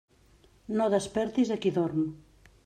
No despertis a qui dorm.